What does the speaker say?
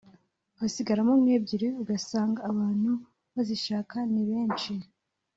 hasigaramo nk’ebyiri ugasanga abantu bazishaka ni benshi